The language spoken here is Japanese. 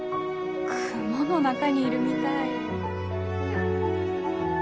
雲の中にいるみたい！